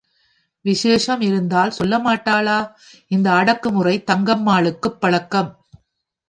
விசேஷம் இருந்தால் சொல்லமாட்டாளா? இந்த அடக்குமுறை தங்கம்மாளுக்குப் பழக்கம்.